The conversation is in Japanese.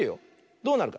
どうなるか。